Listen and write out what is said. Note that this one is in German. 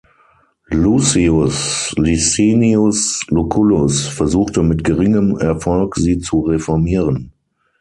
Lucius Licinius Lucullus versuchte mit geringem Erfolg, sie zu reformieren.